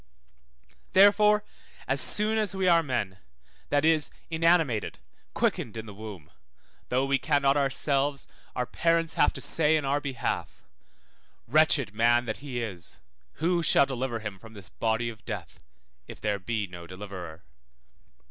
Therefore as soon as we are men (that is, inanimated, quickened in the womb), though we cannot ourselves, our parents have to say in our behalf, Wretched man that he is, who shall deliver him from this body of death? 55 Rom. 7:24. if there be no deliverer.